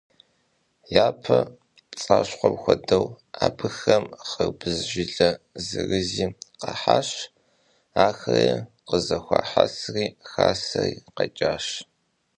Япэ пцӀащхъуэм хуэдэу, абыхэм хьэрбыз жылэ зэрызи къахьащ, ахэри къызэхуахьэсри хасэри къэкӀащ.